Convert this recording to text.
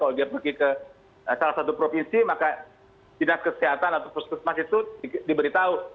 kalau dia pergi ke salah satu provinsi maka dinas kesehatan atau puskesmas itu diberitahu